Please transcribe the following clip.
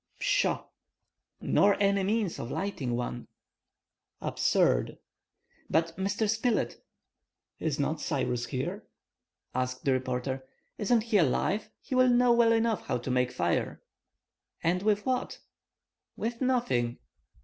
"Pshaw!" "Nor any means of lighting one!" "Absurd!" "But, Mr. Spilett—" "Is not Cyrus here?" asked the reporter; "Isn't he alive? He will know well enough how to make fire!" "And with what?" "With nothing!"